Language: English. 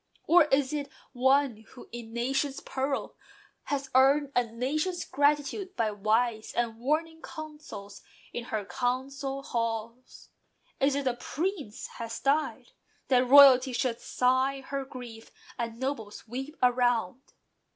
Or is it one who, in a nation's peril, Has earned a nation's gratitude by wise And warning counsels in her council halls? Is it a Prince has died? That royalty Should sigh her grief, and nobles weep around?